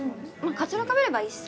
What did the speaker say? カツラかぶればいいしさ。